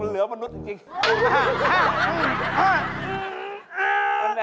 เหลือมนุษย์จริง